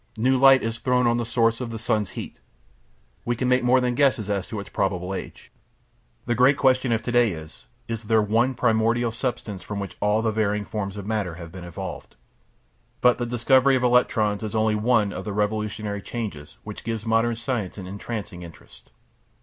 New light is thrown on the source of the sun's heat; we can make more than guesses as to its probable age. The great question to day is: is there one primordial substance from which all the varying forms of matter have been evolved? But the discovery of electrons is only one of the revolutionary changes which give modern science an entrancing interest.